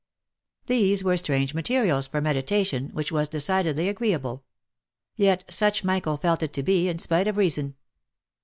These were strange mate rials for meditation which was decidedly agreeable ; yet such Michael felt it to be, in spite of reason.